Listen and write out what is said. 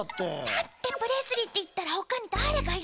だってプレスリーっていったらほかにだれがいるのよ。